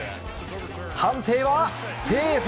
判定はセーフ！